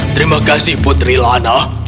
terima kasih putri lana